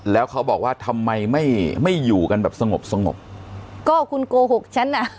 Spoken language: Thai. แล้วเขาบอกว่าทำไมไม่ไม่อยู่กันแบบสงบสงบก็คุณโกหกฉันอ่ะ